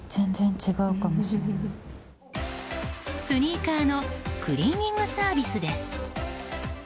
スニーカーのクリーニングサービスです。